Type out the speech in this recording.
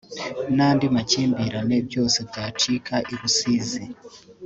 n’andi makimbirane byose byacika i Rusizi